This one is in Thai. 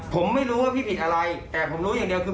ผมไม่รู้ว่าพี่ผิดอะไรแต่ผมรู้อย่างเดียวคือ